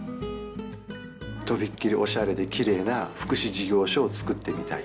とびっきりオシャレできれいな福祉事業所を作ってみたい。